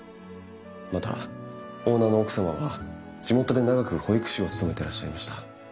またオーナーの奥様は地元で長く保育士を務めていらっしゃいました。